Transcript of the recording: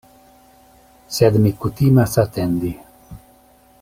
Sed mi kutimas atendi.